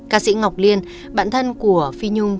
ca sĩ ngọc liên bạn thân của phí nhung